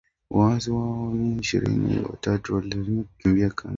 waasi hao wa M ishirni na tatu na kuwalazimu kukimbia kambi zao na